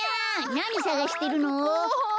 なにさがしてるの？